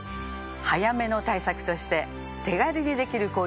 早めの対策として手軽にできる